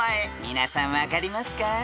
［皆さん分かりますか？］